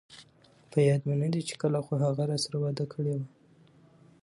په ياد مې ندي چې کله، خو هغه راسره وعده کړي وه